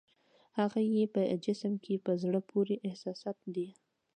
هغه یې په جسم کې په زړه پورې احساسات دي.